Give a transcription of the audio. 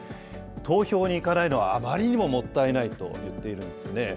投票に行かないのはあまりにももったいないと言っているんですね。